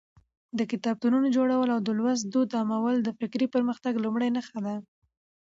د کتابتونونو جوړول او د لوست دود عامول د فکري پرمختګ لومړۍ نښه ده.